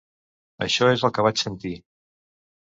Això és el que vaig sentir.